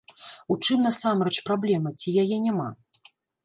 У чым насамрэч праблема, ці яе няма?